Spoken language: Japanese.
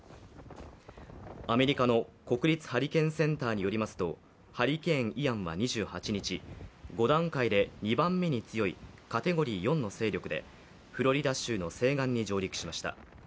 アメリカの国立ハリケーンセンターによりますとハリケーン・イアンは２８日５段階で２番目に強いカテゴリー４の勢力でフロリダ州の西岸に上陸しました。